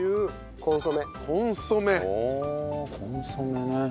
コンソメね。